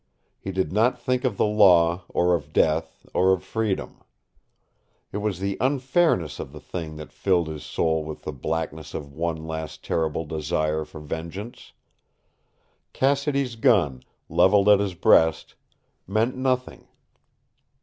He did not think of the law, or of death, or of freedom. It was the unfairness of the thing that filled his soul with the blackness of one last terrible desire for vengeance. Cassidy's gun, leveled at his breast, meant nothing.